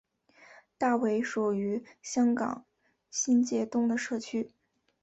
大围属于香港新界东的社区。